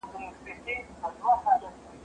زه به اوبه پاکې کړې وي،